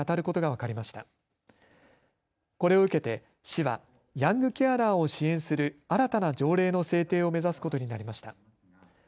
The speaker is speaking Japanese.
これを受けて市はヤングケアラーを支援する新たな条例の制定を目指すことになりました。